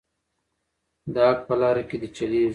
د حق په لاره کې دې چلیږي.